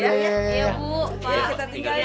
iya bu pak kita tinggal ya